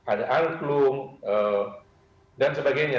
ada angklung dan sebagainya